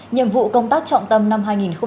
nhiệm vụ công tác trọng tâm năm hai nghìn hai mươi